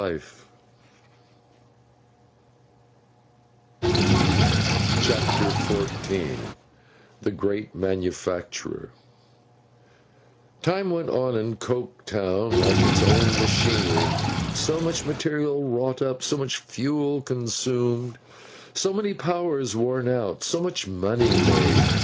CHAPTER XIV THE GREAT MANUFACTURER TIME went on in Coketown like its own machinery: so much material wrought up, so much fuel consumed, so many powers worn out, so much money made.